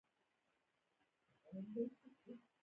ځمکنی شکل د افغانستان د اقتصادي منابعو ارزښت نور هم زیاتوي.